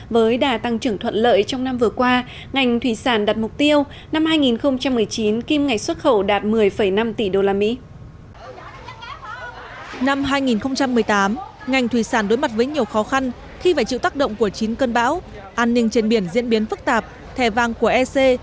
với đà tăng trưởng thuận lợi trong năm vừa qua ngành thủy sản đặt mục tiêu năm hai nghìn một mươi chín kim ngạch xuất khẩu đạt một mươi năm tỷ usd